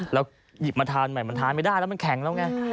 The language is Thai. แล้วหยิบมาทานใหม่มันทานไม่ได้แล้วมันแข็งแล้วไง